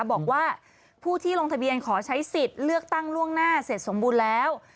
บอกว่าผู้ที่ลงทะเบียนขอใช้สิทธิ์เลือกตั้งล่วงหน้าเสร็จสมบูรณ์แล้ว